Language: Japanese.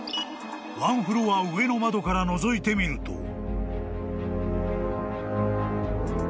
［１フロア上の窓からのぞいてみると］